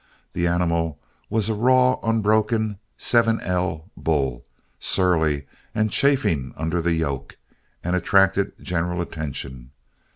The animal was a raw, unbroken "7L" bull, surly and chafing under the yoke, and attracted general attention.